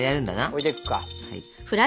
置いていくか。